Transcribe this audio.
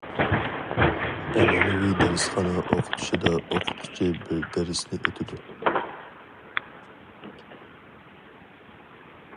ئەنئەنىۋى دەرسخانا ئوقۇتۇشىدا ئوقۇتقۇچى بىر دەرسنى ئۆتىدۇ.